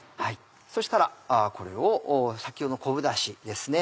そうしたらこれを先ほどの昆布ダシですね